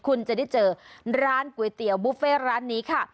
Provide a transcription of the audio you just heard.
คุณจะได้เจอร้านก๋วยเตี๋ยวบุฟเฟ่ร้านนี้ค่ะ